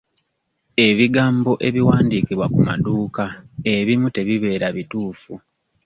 Ebigambo ebiwandiikibwa ku maduuka ebimu tebibeera bituufu.